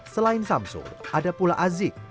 selain samsung ada pula azik